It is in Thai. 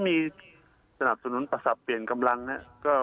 มีสนับสนุนประสับเปลี่ยนกำลังนะครับ